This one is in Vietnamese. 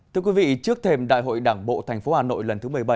thưa quý vị trước thềm đại hội đảng bộ tp hà nội lần thứ một mươi bảy